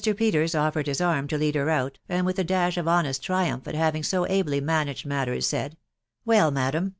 Peters offered his arm to lead her out, and with a dash of honest triumph at having so ably managed matters, said, " Well, madam